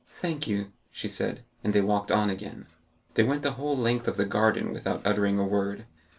"Thank you," she said. And they walked on again. They went the whole length of the garden without uttering a word.